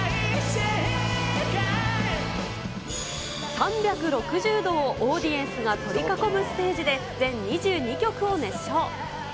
３６０度をオーディエンスが取り囲むステージで、全２２曲を熱唱。